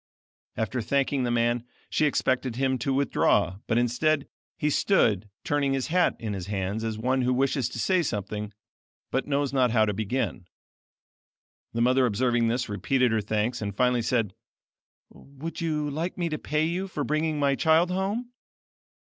After thanking the man, she expected him to withdraw, but instead, he stood turning his hat in his hands as one who wishes to say something, but knows not how to begin. The mother observing this, repeated her thanks and finally said: "Would you like me to pay you for bringing my child home?"